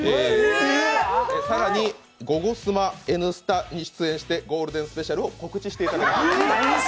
更に「ゴゴスマ」、「Ｎスタ」に出演して、「ゴールデンスペシャル」を告知していただきます。